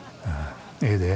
ええで。